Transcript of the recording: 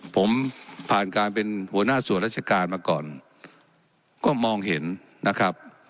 ผมผ่านการเป็นหัวหน้าส่วนราชการมาก่อนก็มองเห็นนะครับ